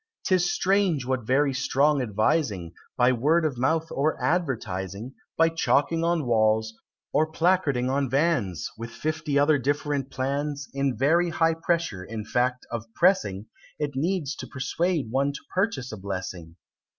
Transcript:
"'Tis strange what very strong advising, By word of mouth, or advertising, By chalking on walls, or placarding on vans, With fifty other different plans, The very high pressure, in fact, of pressing, It needs to persuade one to purchase a blessing!